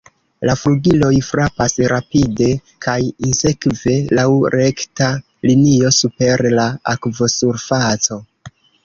La flugiloj frapas rapide kaj sinsekve laŭ rekta linio super la akvosurfaco.